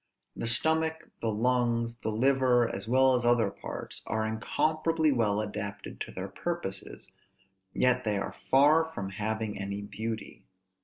The stomach, the lungs, the liver, as well as other parts, are incomparably well adapted to their purposes; yet they are far from having any beauty.